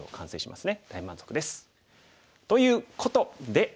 大満足です。ということで。